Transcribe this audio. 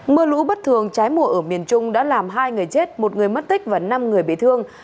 mưa lũ bất thường trái mùa ở miền trung đã làm hai người chết một người mất tích và năm người bị thương